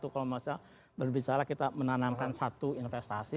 kalau misalnya berbicara kita menanamkan satu investasi